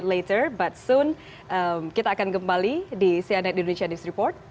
later batsun kita akan kembali di cnn indonesia news report